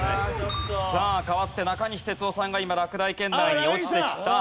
さあ代わって中西哲生さんが今落第圏内に落ちてきた。